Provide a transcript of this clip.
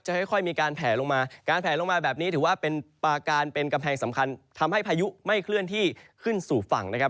ค่อยมีการแผลลงมาการแผลลงมาแบบนี้ถือว่าเป็นปาการเป็นกำแพงสำคัญทำให้พายุไม่เคลื่อนที่ขึ้นสู่ฝั่งนะครับ